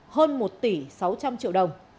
hơn một tỷ sáu trăm linh triệu đồng